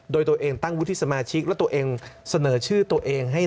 โดยตัวเองตั้งวุฒิสมาชิกและตัวเองเสนอชื่อตัวเองให้